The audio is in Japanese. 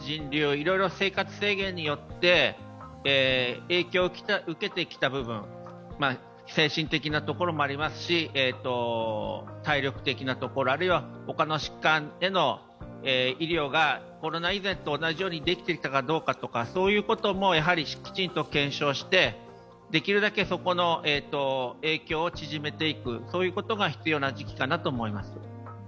いろいろ生活制限によって影響を受けてきた部分、精神的なところもありますし、体力的なところ、あるいは他の疾患への医療がコロナ以前と同じようにできてきたかどうかとかそういうこともきちんと検証して、できるだけそこの影響を縮めていくことが必要な時期かなと思います。